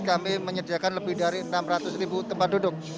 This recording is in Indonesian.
kami menyediakan lebih dari enam ratus ribu tempat duduk